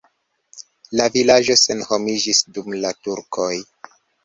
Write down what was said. La vilaĝo senhomiĝis dum la turkoj.